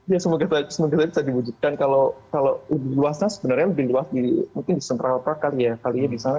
ya semoga saja bisa diwujudkan kalau lebih luasnya sebenarnya lebih luas di mungkin di sana